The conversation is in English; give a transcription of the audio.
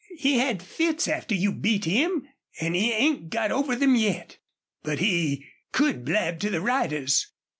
He had fits after you beat him, an' he 'ain't got over them yet. But he could blab to the riders.